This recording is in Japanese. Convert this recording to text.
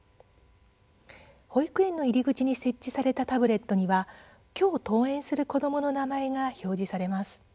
保育園の入り口に設置されたタブレットには今日、登園する子どもの名前が表示されます。